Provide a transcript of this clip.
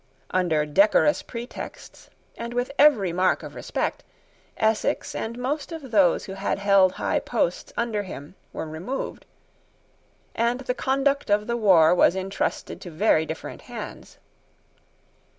Under decorous pretexts, and with every mark of respect, Essex and most of those who had held high posts under him were removed; and the conduct of the war was intrusted to very different hands.